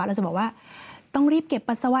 เราจะบอกว่าต้องรีบเก็บปัสสาวะ